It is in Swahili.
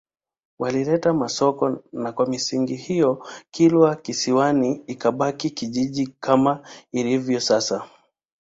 Walileta Masoko na kwa misingi hiyo Kilwa Kisiwani ikabaki kijiji kama ilivyo sasa